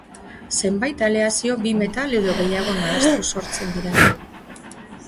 Zenbait aleazio bi metal edo gehiago nahastuz sortzen dira.